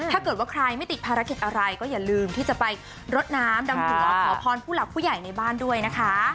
ถ้าเกิดว่าใครไม่ติดภารกิจอะไรก็อย่าลืมที่จะไปรดน้ำดำหัวขอพรผู้หลักผู้ใหญ่ในบ้านด้วยนะคะ